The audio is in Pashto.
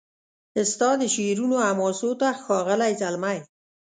ستا د شعرونو حماسو هغه ښاغلی زلمی